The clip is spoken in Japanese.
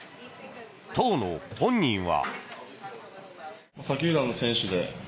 当の本人は。